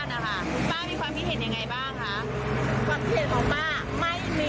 คุณป้ามีความคิดเห็นอย่างไรบ้างคะ